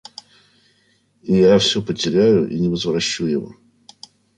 И я всё потеряю и не возвращу его.